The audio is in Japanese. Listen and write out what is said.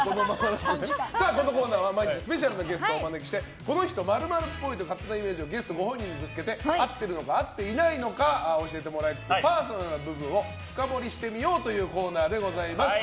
このコーナーは毎日スペシャルなゲストをお招きしてこの人○○っぽいっていうイメージをゲスト本人にぶつけて合ってるのか合っていないのか教えてもらいつつパーソナルな部分を深掘りしてみようというコーナーでございます。